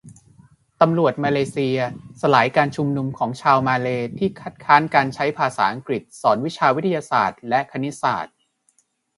ตำรวจมาเลเซีย สลายการชุมนุมของชาวมาเลย์ ที่คัดค้านการใช้ภาษาอังกฤษสอนวิชาวิทยาศาสตร์และคณิตศาสตร์